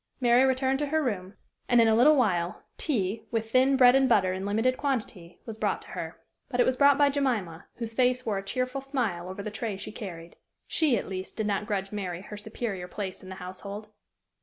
Mary returned to her room, and in a little while tea, with thin bread and butter in limited quantity, was brought her. But it was brought by Jemima, whose face wore a cheerful smile over the tray she carried: she, at least, did not grudge Mary her superior place in the household.